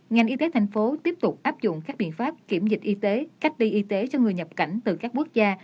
ngành y tế thành phố tiếp tục áp dụng các biện pháp kiểm dịch y tế cách ly y tế cho người nhập cảnh từ các quốc gia